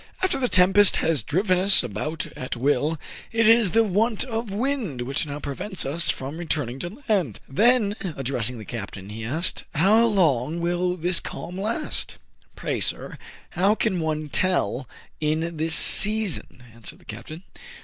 "After the tempest has driven us about at will, it is the want of wind which now prevents us from return ing to land." Then, addressing the captain, he asked, —" How long will this calm last ?" "Pray, sir, how can any one tell in this sea son ?'* answered the captain.